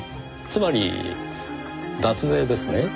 つまり脱税ですね。